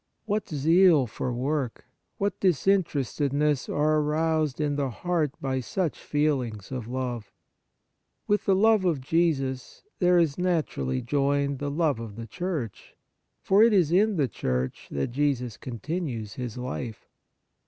What zeal for work, what disinterestedness, are aroused in the heart by such feel ings of love ! With the love of Jesus there is naturally joined the love of the Church, for it is in the Church that Jesus continues His life.